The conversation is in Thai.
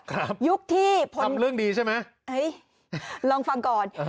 ครับทำเรื่องดีใช่ไหมครับลองฟังก่อน